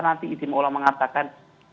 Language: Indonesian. nanti istimewa ulama mengatakan